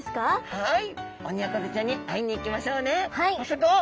はい。